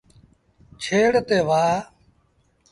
ڇيڙ تي وهآ۔